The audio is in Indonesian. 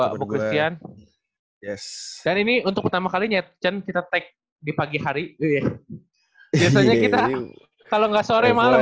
dan gue bu christian dan ini untuk pertama kalinya cen kita tag di pagi hari biasanya kita kalo ga sore malem